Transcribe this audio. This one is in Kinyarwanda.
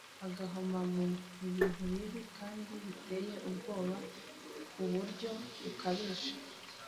Agahomamunwa: ibintu bibi kandi biteye ubwoba ku buryo bukabije.